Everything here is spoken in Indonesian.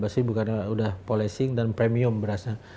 sudah polishing dan premium berasnya